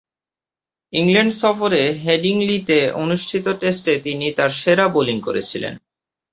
England সফরে হেডিংলিতে অনুষ্ঠিত টেস্টে তিনি তার সেরা বোলিং করেছিলেন।